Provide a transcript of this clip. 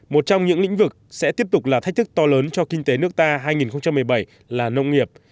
một trong những lĩnh vực sẽ tiếp tục là thách thức to lớn cho kinh tế nước ta hai nghìn một mươi bảy là nông nghiệp